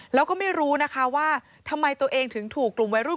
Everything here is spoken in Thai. แล้วก็ไม่รู้นะคะว่าทำไมตัวเองถึงถูกกลุ่มวัยรุ่น